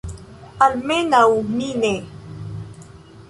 Almenaŭ mi ne.